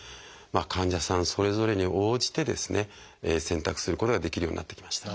患者さんそれぞれに応じてですね選択することができるようになってきました。